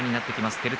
照強。